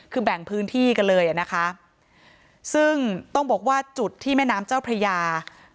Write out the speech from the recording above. คือแบ่งพื้นที่กันเลยอ่ะนะคะซึ่งต้องบอกว่าจุดที่แม่น้ำเจ้าพระยา